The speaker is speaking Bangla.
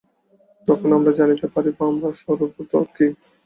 তখন আমরা জানিতে পারিব, আমরা স্বরূপত কি।